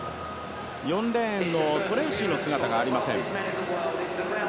４レーンのトレイシーの姿がありません。